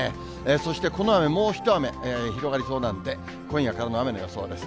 そして、この雨、もうひと雨、広がりそうなんで、今夜からの雨の予想です。